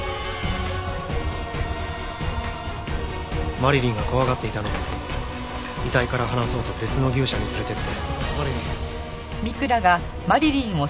マリリンが怖がっていたので遺体から離そうと別の牛舎に連れて行って。